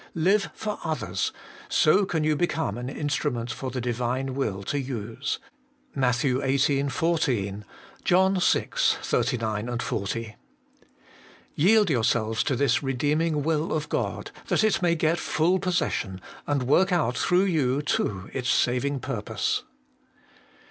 Live for others : so can you become an instrument for the Divine will to use (Matt, xviii. 14 ; John ol. 39, 40). Yield yourselves to this redeeming will of God, that it may get full possession, and worh out through you too its saving purpose.